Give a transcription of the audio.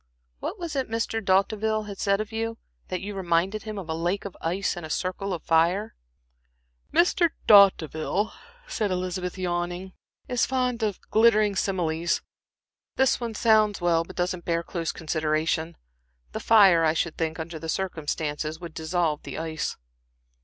What was it Mr. D'Hauteville said of you that you reminded him of a lake of ice in a circle of fire?" "Mr. D'Hauteville," said Elizabeth, yawning, "is fond of glittering similes. This one sounds well, but doesn't bear close consideration. The fire, I should think, under the circumstances, would dissolve the ice."